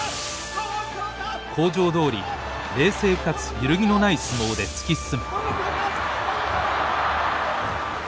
口上どおり冷静かつ揺るぎのない相撲で突き進む。